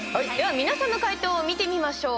皆さんの解答を見てみましょう。